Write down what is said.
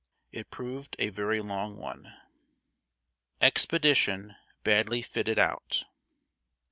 It proved a very long one. [Sidenote: EXPEDITION BADLY FITTED OUT.